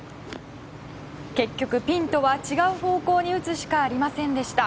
結局ピンとは違う方向に打つしかありませんでした。